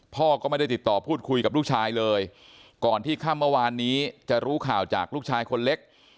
พ่อก็ไม่ได้ติดต่อพูดคุยกับลูกชายเลยก่อนที่ค่ำเมื่อวานนี้จะรู้ข่าวจากลูกชายคนเล็ก